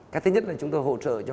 cách thứ nhất là chúng tôi hỗ trợ cho